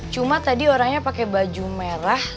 cuma tadi orangnya pakai baju merah